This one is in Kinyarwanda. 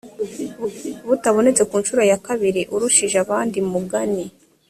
butabonetse ku nshuro ya kabiri urushije abandi mugani